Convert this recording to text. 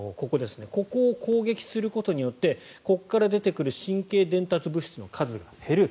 ここを攻撃することによってここから出てくる神経伝達物質の数が減る。